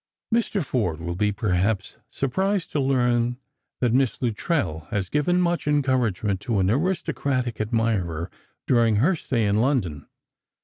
« 'Mr. Forde will be perhaps surprised to learn that Miss Luttrell has given much encouragement to an aristocratic admirer during her stay in London.